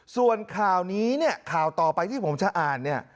ส่วนข่าวนี้ข่าวต่อไปที่ผมจะอ่าน